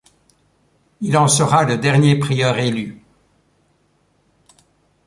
Il en sera le dernier prieur élu.